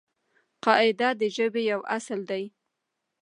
قاعده د ژبې یو اصل دئ.